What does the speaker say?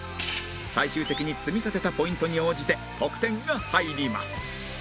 最終的に積み立てたポイントに応じて得点が入ります